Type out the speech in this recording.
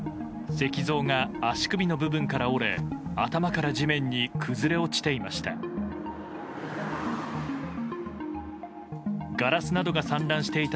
石像が足首の部分から折れ頭から地面に崩れ落ちていました。